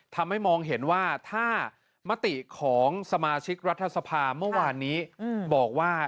ทำให้มองเห็นว่าถ้ามติของสมาชิกรัฐสภาเมื่อวานนี้บอกว่า